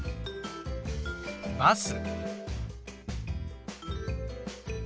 バス。